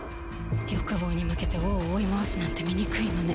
欲望に負けて王を追い回すなんて醜いまね